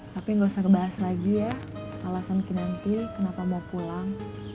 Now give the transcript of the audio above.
pak pi nggak usah ngebahas lagi ya alasan kinanti kenapa mau pulang